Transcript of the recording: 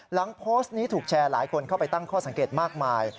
หลังโพสต์นี้ถูกแชร์หลายคนเข้าไปตั้งข้อสังเกตมากมาย